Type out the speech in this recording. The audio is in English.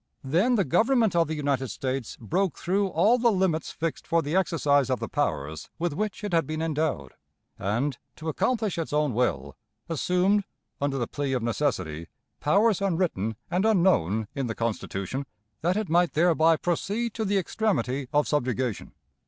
Then the Government of the United States broke through all the limits fixed for the exercise of the powers with which it had been endowed, and, to accomplish its own will, assumed, under the plea of necessity, powers unwritten and unknown in the Constitution, that it might thereby proceed to the extremity of subjugation.